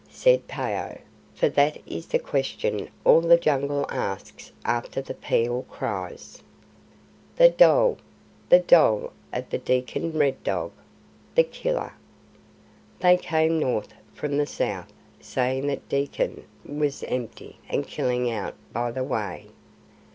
said Phao, for that is the question all the Jungle asks after the pheeal cries. "The dhole, the dhole of the Dekkan Red Dog, the Killer! They came north from the south saying the Dekkan was empty and killing out by the way.